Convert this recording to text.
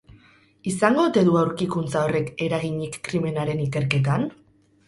Izango ote du aurkikuntza horrek eraginik krimenaren ikerketan?